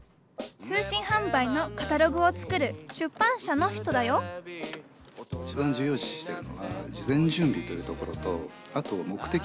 通信販売のカタログを作る出版社の人だよいちばん重要視してるのは事前準備というところとあと目的。